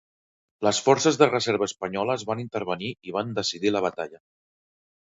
Les forces de reserva espanyoles van intervenir i van decidir la batalla.